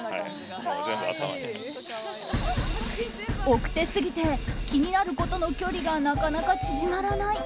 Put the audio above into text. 奥手すぎて気になる子との距離がなかなか縮まらない。